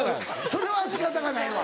それは仕方がないわ。